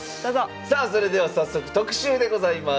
さあそれでは早速特集でございます。